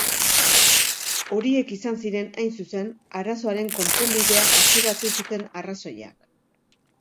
Horiek izan ziren, hain zuzen, arazoaren konponbidea atzeratu zuten arrazoiak.